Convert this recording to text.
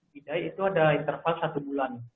di gidai itu ada interval satu bulan